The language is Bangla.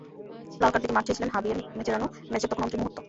লাল কার্ড দেখে মাঠ ছেড়েছিলেন হাভিয়ের মাচেরানো, ম্যাচের তখন অন্তিম মুহূর্ত।